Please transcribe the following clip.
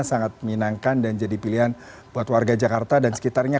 sangat menyenangkan dan jadi pilihan buat warga jakarta dan sekitarnya